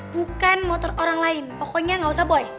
bukan motor orang lain pokoknya nggak usah boy